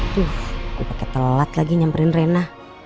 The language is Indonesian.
duh aku pake telat lagi nyamperin rena